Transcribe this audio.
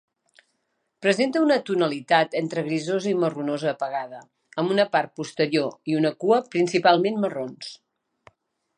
Presenta una tonalitat entre grisosa i marronosa apagada, amb una part posterior i una cua principalment marrons.